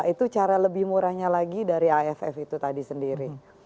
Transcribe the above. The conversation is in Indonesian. itu cara lebih murahnya lagi dari aff itu tadi sendiri